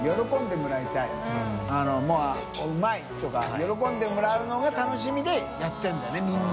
うまい！」とか喜んでもらうのが楽しみで笋辰討襪鵑世茲みんな。